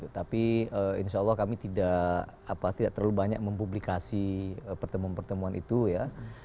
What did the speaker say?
tapi insya allah kami tidak terlalu banyak mempublikasi pertemuan pertemuan itu ya